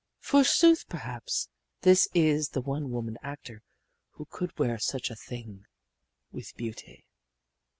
Forsooth, perhaps this is the one woman actor who could wear such a thing with beauty.